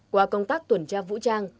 qua công tác tuần tra vũ trang